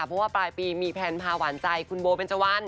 เพราะว่าปลายปีมีแพลนพาหวานใจคุณโบเบนเจวัน